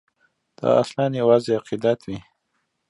دا اصلاً یوازې عقیدت وي.